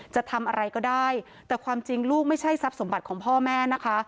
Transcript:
จะทำอะไรก็ได้แต่ความจริงลูกไม่ใช่ทรัพย์สมบัติของพ่อแม่นะคะ